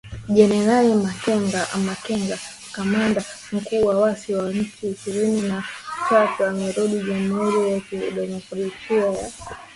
Jenerali Makenga kamanda mkuu wa waasi wa Machi ishirini na tatu amerudi Jamuhuri ya Kidemokrasia ya Kongo kuongoza mashambulizi